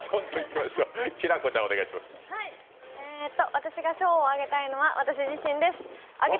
私が賞をあげたいのは私自身です。